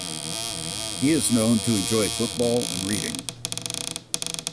He is known to enjoy football and reading.